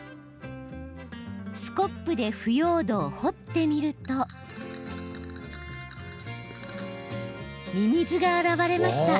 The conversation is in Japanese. スコップで腐葉土を掘ってみるとミミズが現れました。